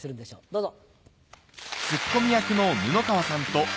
どうぞ。